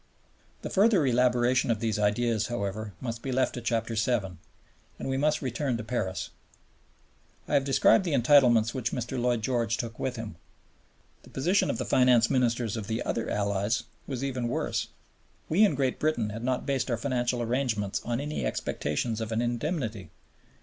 The further elaboration of these ideas, however, must be left to Chapter VII., and we must return to Paris. I have described the entanglements which Mr. Lloyd George took with him. The position of the Finance Ministers of the other Allies was even worse. We in Great Britain had not based our financial arrangements on any expectations of an indemnity.